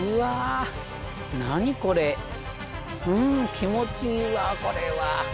気持ちいいわこれは。